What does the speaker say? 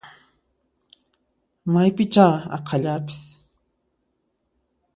Maypichá aqhallapis!